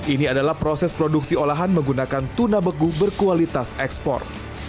ini adalah proses produksi olahan menggunakan tuna begu berkualitas ekspor